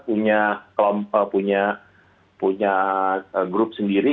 punya kelompok punya grup sendiri